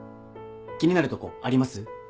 気になるとこあります？